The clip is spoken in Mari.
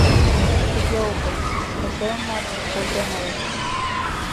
Тыге огыл — ушемымак колтем ала-мо...